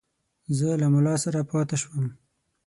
زه له مُلا سره پاته شوم.